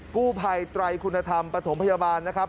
กู้ภัยไตรคุณธรรมปฐมพยาบาลนะครับ